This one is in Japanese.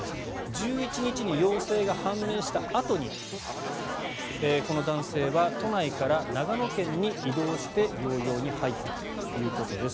１１日に陽性が判明したあとにこの男性は都内から長野県に移動して療養に入ったということです。